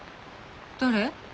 誰？